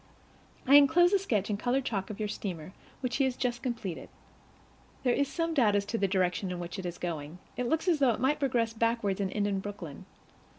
I inclose a sketch in colored chalk of your steamer, which he has just completed. There is some doubt as to the direction in which it is going; it looks as though it might progress backward and end in Brooklyn.